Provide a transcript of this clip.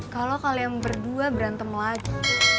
kalau kalian berdua berantem lagi